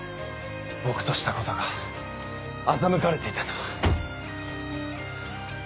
僕としたことが欺かれていたとは。